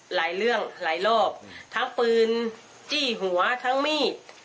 หลายเรื่องหลายรอบทั้งปืนจี้หัวทั้งมีด